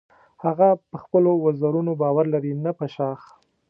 هغه په خپلو وزرونو باور لري نه په شاخ.